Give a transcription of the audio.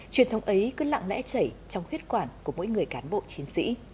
truyền thống ấy cứ lặng lẽ chảy trong huyết quản của mỗi người cán bộ chiến sĩ